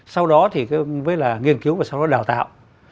sau đó thì mới là nghiên cứu và sau đó đào tạo